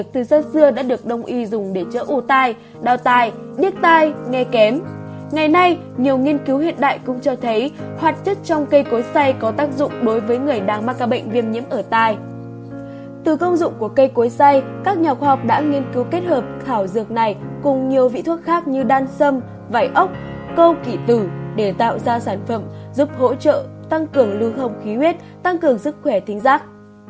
từ công dụng của cây cối xay các nhà khoa học đã nghiên cứu kết hợp thảo dược này cùng nhiều vị thuốc khác như đan sâm vải ốc câu kỷ tử để tạo ra sản phẩm giúp hỗ trợ tăng cường lưu không khí huyết tăng cường sức khỏe tính giác